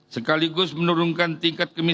sekaligus menurunkan tingkat kemampuan